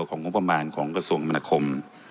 ของงบประมาณของกระทรวงมนาคม